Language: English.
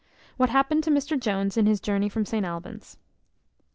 What happened to Mr Jones in his journey from St Albans.